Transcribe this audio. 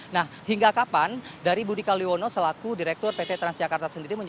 nah hingga kapan dari budi kaliwono selaku direktur pt transjakarta sendiri